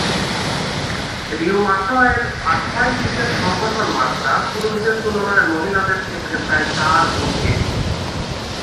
Rheumatoid আর্থ্রাইটিসের সংঘটন মাত্রা পুরুষদের তুলনায় মহিলাদের ক্ষেত্রে প্রায় চার গুণ বেশি।